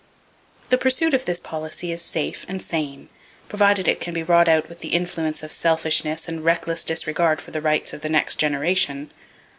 The pursuit of this policy is safe and sane, provided it can be wrought out without the influence of selfishness, and reckless disregard for the rights of the next generation.